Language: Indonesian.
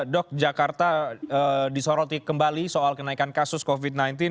dok jakarta disoroti kembali soal kenaikan kasus covid sembilan belas